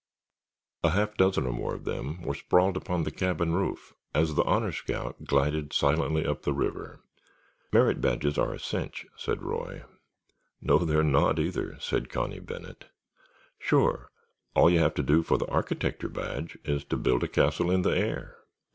A half dozen or more of them were sprawled upon the cabin roof as the Honor Scout glided silently up the river. "Merit badges are a cinch," said Roy. "No, they're not either," said Connie Bennet. "Sure, all you have to do for the Architecture Badge is to build a castle in the air.